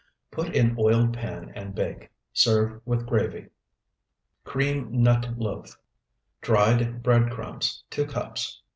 Put in oiled pan and bake. Serve with gravy. CREAM NUT LOAF Dried bread crumbs, 2 cups.